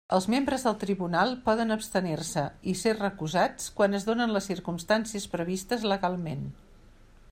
Els membres del tribunal poden abstenir-se i ser recusats quan es donen les circumstàncies previstes legalment.